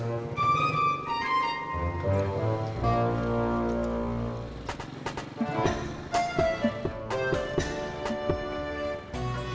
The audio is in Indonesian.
lo tetap sama mamah